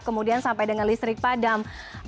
kemudian sampai dengan listrik padam